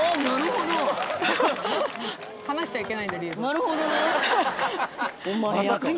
なるほど！